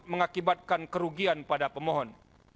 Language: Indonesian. mengakibatkan kerugian pada pemohon